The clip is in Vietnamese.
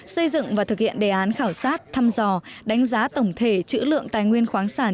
xây dựng và thực hiện đề án khảo sát thăm dò đánh giá tổng thể chữ lượng tài nguyên khoáng sản